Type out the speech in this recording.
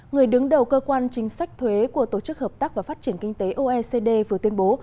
người đứng đầu cơ quan chính sách thuế của tổ chức hợp tác và phát triển kinh tế oecd vừa tuyên bố